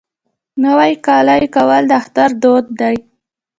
نوی کالی کول د اختر دود دی.